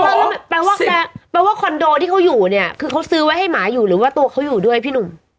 แปลว่าแปลว่าคอนโดที่เขาอยู่เนี่ยคือเขาซื้อไว้ให้หมาอยู่หรือว่าตัวเขาอยู่ด้วยพี่หนุ่ม